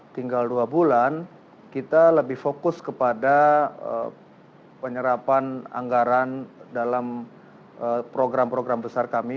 tinggal dua bulan kita lebih fokus kepada penyerapan anggaran dalam program program besar kami